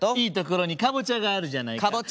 「いいところにかぼちゃがあるじゃないか」。